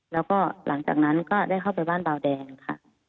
แล้วก็หลังจากนั้นก็ได้เข้าไปบ้านเบาแดงค่ะ